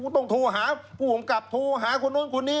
ต้องโทรหาผู้กำกับโทรหาคนนู้นคนนี้